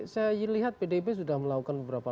saya lihat pdip sudah melakukan beberapa